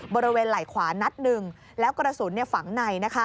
บริเวณไหล่ขวานัดหนึ่งแล้วกระสุนฝังใน